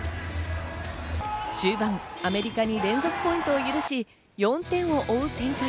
終盤アメリカに連続ポイントを許し、４点を追う展開。